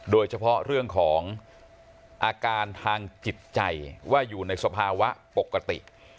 โดยเฉพาะเรื่องของอาการทางจิตใจว่าอยู่ในสภาวะปกติ